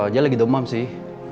dia lagi demam sih